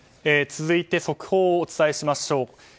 続いて速報をお伝えしましょう。